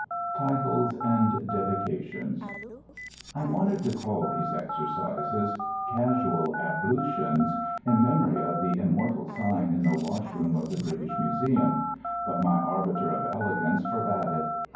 TITLES AND DEDICATIONS I wanted to call these exercises "Casual Ablutions," in memory of the immortal sign in the washroom of the British Museum, but my arbiter of elegance forbade it.